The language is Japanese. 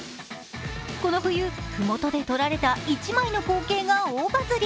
この冬、麓で撮られた１枚の光景が大バズり。